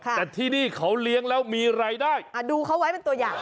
แต่ที่นี่เขาเลี้ยงแล้วมีรายได้ดูเขาไว้เป็นตัวอย่าง